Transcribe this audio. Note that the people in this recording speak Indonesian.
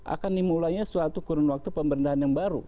akan dimulainya suatu kurun waktu pemberdahan yang baru